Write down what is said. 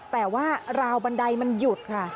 แต่ว่าราวบันไดมันหยุดค่ะ